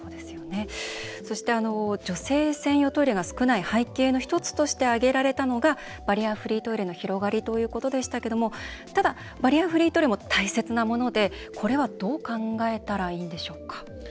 そして、女性専用トイレが少ない背景の１つとして挙げられたのがバリアフリートイレの広がりということでしたけどもただ、バリアフリートイレも大切なもので、これはどう考えたらいいんでしょうか？